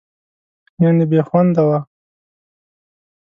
یعنې بېخونده وه.